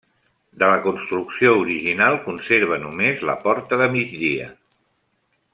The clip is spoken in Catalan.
De la construcció original conserva només la porta de migdia.